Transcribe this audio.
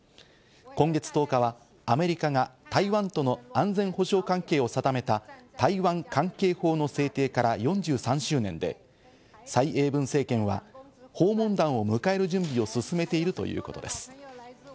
今月１０日はアメリカが台湾との安全保障関係を定めた台湾関係法の制定から４３周年で、サイ・エイブン政権は訪問団を迎える準備を進めているということです。